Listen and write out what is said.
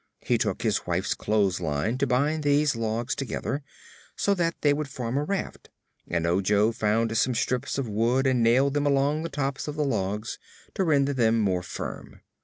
He took his wife's clothesline to bind these logs together, so that they would form a raft, and Ojo found some strips of wood and nailed them along the tops of the logs, to render them more firm.